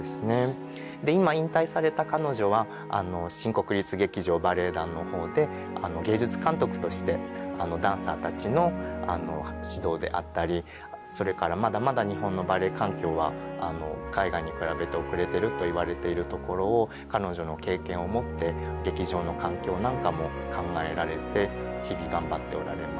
で今引退された彼女は新国立劇場バレエ団の方で芸術監督としてダンサーたちの指導であったりそれからまだまだ日本のバレエ環境は海外に比べて後れてると言われているところを彼女の経験をもって劇場の環境なんかも考えられて日々頑張っておられます。